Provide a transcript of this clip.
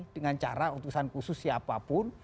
dengan cara utusan khusus siapapun